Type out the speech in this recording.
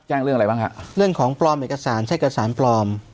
เรื่องอะไรบ้างฮะเรื่องของปลอมเอกสารใช้เอกสารปลอม